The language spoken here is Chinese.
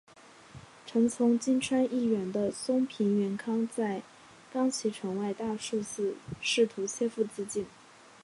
臣从今川义元的松平元康在冈崎城外大树寺试图切腹自尽。